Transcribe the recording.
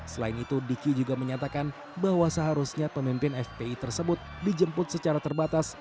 selain itu diki juga menyatakan bahwa seharusnya pemimpin fpi tersebut dijemput secara terbatas